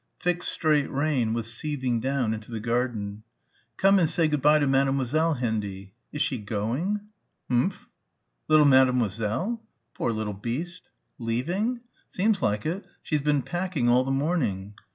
Thick straight rain was seething down into the garden. "Come and say good bye to Mademoiselle, Hendy." "Is she going?" "Umph." "Little Mademoiselle?" "Poor little beast!" "Leaving!" "Seems like it she's been packing all the morning."